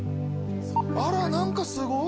あら何かすごい。